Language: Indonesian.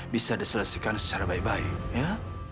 bisa diselesaikan secara baik baik ya